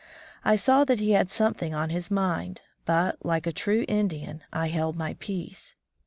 I saw that he had something on his mind, but, like a true Indian, I held my peace.